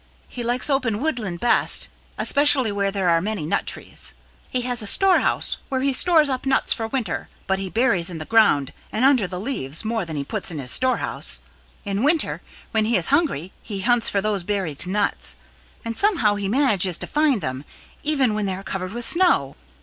He likes open woodland best, especially where there are many nut trees. He has a storehouse where he stores up nuts for winter, but he buries in the ground and under the leaves more than he puts in his storehouse. In winter, when he is hungry, he hunts for those buried nuts, and somehow he manages to find them even when they are covered with snow.